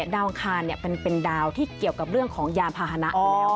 อังคารเป็นดาวที่เกี่ยวกับเรื่องของยานพาหนะ